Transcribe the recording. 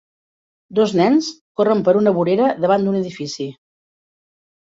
Dos nens corren per una vorera davant d'un edifici.